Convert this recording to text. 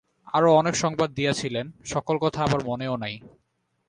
আরো অনেক সংবাদ দিয়াছিলেন, সকল কথা আবার মনেও নাই।